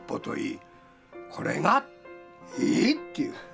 「これが？ええ？」っていう。